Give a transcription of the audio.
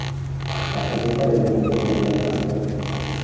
Rappresenta l'elemento della lealtà.